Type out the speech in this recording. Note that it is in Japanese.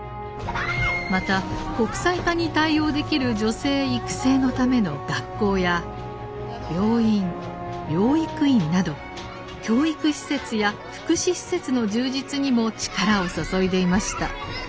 また国際化に対応できる女性育成のための学校や病院養育院など教育施設や福祉施設の充実にも力を注いでいました。